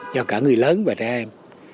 cho cả người lớn và trẻ em